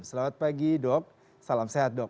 selamat pagi dok salam sehat dok